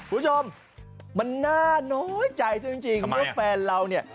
ผู้ชมมันน่าน้อยใจจริง